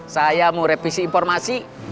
saya mau revisi informasi